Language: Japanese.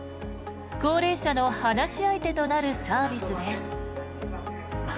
高齢者の話し相手となるサービスです。